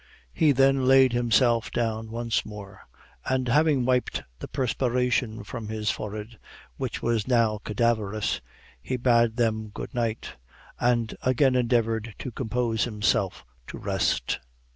He then laid himself down once more, and having wiped the perspiration from his forehead, which was now cadaverous, he bade them good night, and again endeavored to compose himself to rest.